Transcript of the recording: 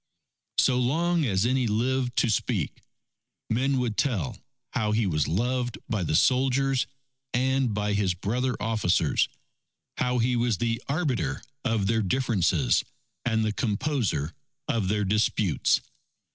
So long as any lived to speak, men would tell how he was loved by the soldiers and by his brother officers; how he was the arbiter of their differences and the composer of their disputes.